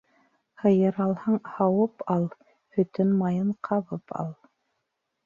Һыйыр алһаң, һауып ал, Һөтөн-майын ҡабып ал.